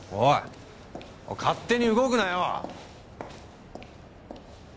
おい勝手に動くなよ。